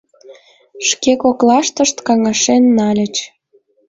Шке коклаштышт каҥашен нальыч.